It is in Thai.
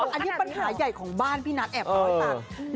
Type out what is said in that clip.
อันนี้ปัญหาใหญ่ของบ้านพี่นัทแอบเล่าให้ฟัง